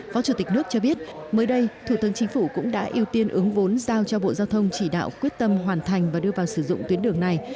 phó chủ tịch nước cho biết mới đây thủ tướng chính phủ cũng đã ưu tiên ứng vốn giao cho bộ giao thông chỉ đạo quyết tâm hoàn thành và đưa vào sử dụng tuyến đường này